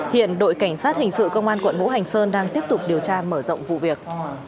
hiện đội cảnh sát hình sự công an quận vũ hành sơn đang tiếp tục điều tra mở rộng vụ việc